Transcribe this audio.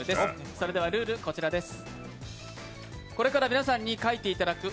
それではルール、こちらです。